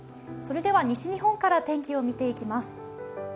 それでは西日本から天気を見ていきます。